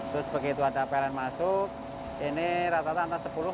terus begitu ada pln masuk ini rata rata antara sepuluh sampai dua puluh